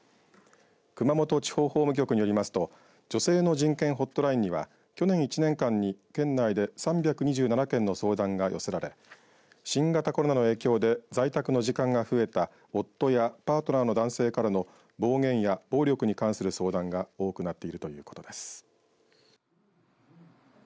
熊本地方法務局によりますと女性の人権ホットラインには去年１年間に県内で３２７件の相談が寄せられ新型コロナの影響で在宅の時間が増えた夫やパートナーの男性からの暴言や暴力に関する相談が多くなっているということです。